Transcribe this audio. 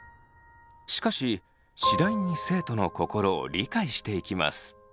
しかし次第に生徒の心を理解していきます。